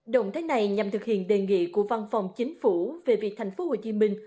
động thái này nhằm thực hiện đề nghị của văn phòng chính phủ về việc thành phố hồ chí minh